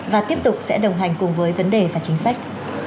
và tiếp tục sẽ đồng hành cùng với vấn đề và chính sách